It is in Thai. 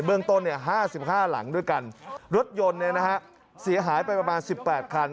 เบื้องต้น๕๕หลังด้วยกันรถยนต์เสียหายไปประมาณ๑๘คัน